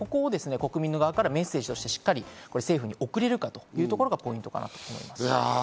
国民の側からメッセージとして政府に送れるかというところがポイントかと思います。